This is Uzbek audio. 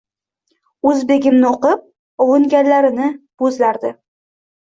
O’zbegimni o’qib, ovunganlarini, bo’zlardi.